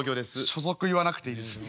所属言わなくていいです。